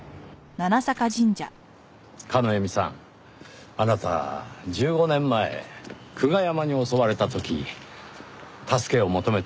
叶笑さんあなた１５年前久我山に襲われた時助けを求めた